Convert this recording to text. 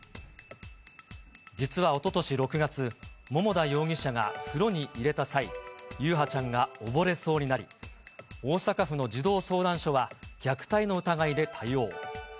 実はおととし６月、桃田容疑者が風呂に入れた際、優陽ちゃんが溺れそうになり、大阪府の児童相談所は虐待の疑いで対応。